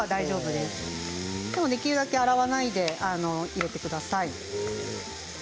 でも、できるだけ洗わないで入れてください。